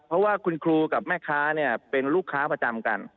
เพราะว่าคุณครูกับแม่ค้าเนี่ยเป็นลูกค้าประจำกัน